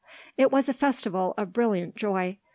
It was a festival of brilliant joy.